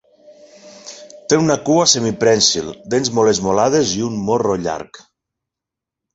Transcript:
Té una cua semiprènsil, dents molt esmolades i un morro llarg.